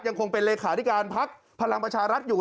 ยังคงเป็นเลขาธิการพักพลังประชารัฐอยู่